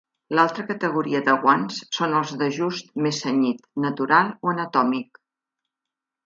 L'altra categoria de guants són els d'ajust més cenyit, natural o anatòmic.